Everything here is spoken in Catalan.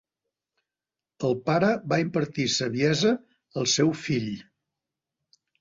El pare va impartir saviesa al seu fill.